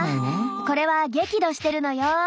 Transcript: これは激怒してるのよ。